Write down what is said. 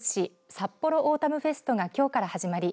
さっぽろオータムフェストがきょうから始まり